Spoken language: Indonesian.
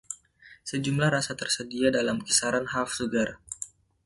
Sejumlah rasa tersedia dalam kisaran Half Sugar.